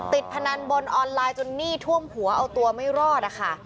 พนันบนออนไลน์จนหนี้ท่วมหัวเอาตัวไม่รอดนะคะ